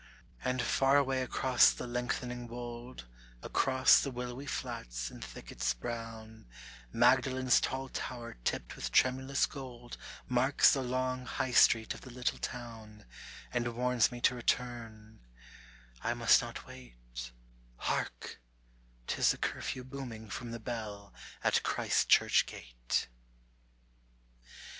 And far away across the lengthening wold, Across the willowy flats and thickets brown, Magdalen's tall tower tipped with tremulous gold Marks the long High Street of the little town, And warns me to return ; I must not wait, Hark I 'tis the curfew booming from the bell at Christ Church gate.